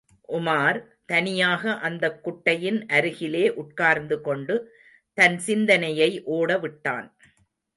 உமார், தனியாக அந்தக் குட்டையின் அருகிலே உட்கார்ந்துகொண்டு, தன் சிந்தனையை ஓட விட்டான்.